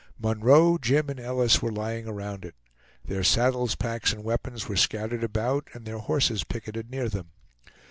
Munroe, Jim, and Ellis were lying around it; their saddles, packs, and weapons were scattered about and their horses picketed near them.